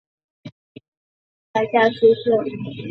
小时候曾就读于香港育才书社。